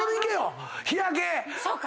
そうか！